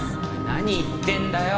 何言ってんだよ！